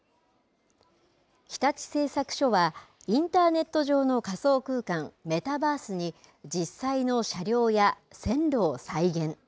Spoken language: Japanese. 日立製作所はインターネット上の仮想空間、メタバースに、実際の車両や線路を再現。